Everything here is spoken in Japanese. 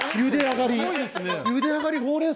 ゆで上がり。